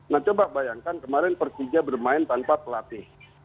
nah coba bayangkan kemarin persija bermain tanpa pelatih